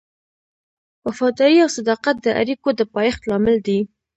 وفاداري او صداقت د اړیکو د پایښت لامل دی.